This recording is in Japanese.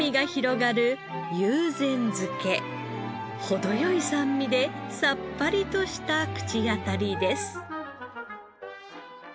程良い酸味でさっぱりとした口当たりです。